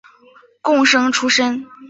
贡生出身。